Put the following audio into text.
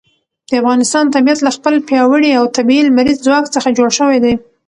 د افغانستان طبیعت له خپل پیاوړي او طبیعي لمریز ځواک څخه جوړ شوی دی.